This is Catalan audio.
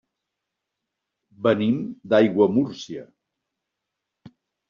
Venim d'Aiguamúrcia.